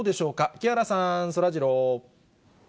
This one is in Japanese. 木原さん、そらジロー。